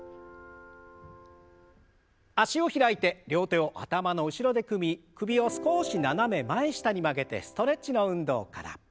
脚を開いて両手を頭の後ろで組み首を少し斜め前下に曲げてストレッチの運動から。